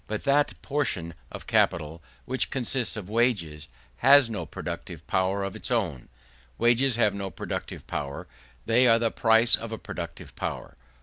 But that portion of capital which consists of wages, has no productive power of its own. Wages have no productive power; they are the price of a productive power.